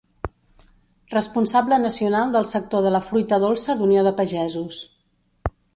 Responsable nacional del sector de la Fruita Dolça d'Unió de Pagesos.